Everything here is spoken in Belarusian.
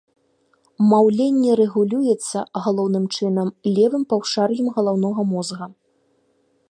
Маўленне рэгулюецца, галоўным чынам, левым паўшар'ем галаўнога мозга.